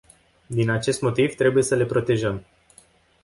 Din acest motiv, trebuie să le protejăm.